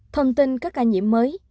thông tin các ca nhiễm mới